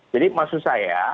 jadi maksud saya